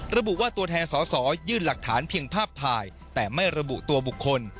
ระบุว่าตัวแทนสอสอยื่นหลักฐานเพียงภาพถ่ายแต่ไม่ระบุตัวบุคคล